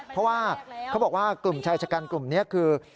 เพราะว่าเขาบอกว่ากลุ่มชายชะกันกลุ่มนี้คือ